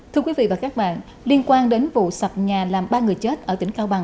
thưa quý vị và các bạn liên quan đến vụ sập nhà làm ba người chết ở tỉnh cao bằng